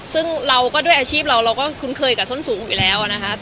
ซึ่งเราก็ด้วยอาชีพเราเราก็คุ้นเคยกับส้นสูงอยู่แล้วนะคะ